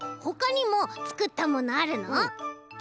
ほかにもつくったものあるの？